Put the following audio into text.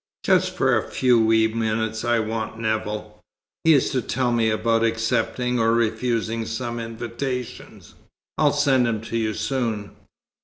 "Just for a few wee minutes I want Nevill. He is to tell me about accepting or refusing some invitations. I'll send him to you soon."